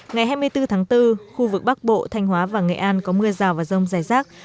ngày hai mươi bốn tháng bốn khu vực bắc bộ thanh hóa và nghệ an có mưa rào và rông dài rác